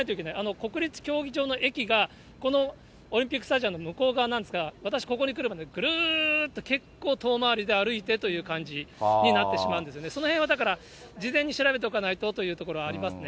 国立競技場の駅が、このオリンピックスタジアムの向こう側なんですが、私、ここに来るためぐるーっと結構遠回りで歩いてという感じになってしまうので、そのへんはだから、事前に調べておかないとというところがありますね。